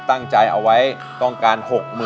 ตั้งใจเอาไว้ต้องการ๖๐๐๐